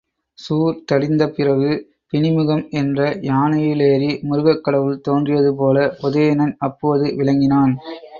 சூர் தடிந்த பிறகு பிணிமுகம் என்ற யானையிலேறி முருகக் கடவுள் தோன்றியது போல உதயணன் அப்போது விளங்கினான்.